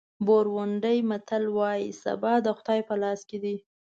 بورونډي متل وایي سبا د خدای په لاس کې دی.